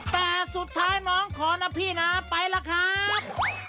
แต่สุดท้ายน้องขอนะพี่นะไปล่ะครับ